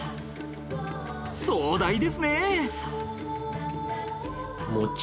壮大ですね！